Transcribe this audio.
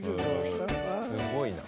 すごいな。